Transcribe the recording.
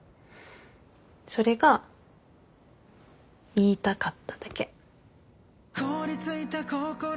それが言いたかっただけ。